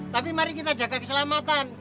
tapi mari kita jaga keselamatan